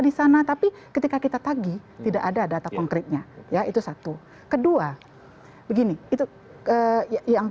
di sana tapi ketika kita tagi tidak ada data konkretnya ya itu satu kedua begini itu yang